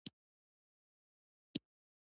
په طرفداري عمل کړی دی.